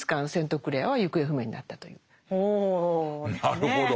なるほど。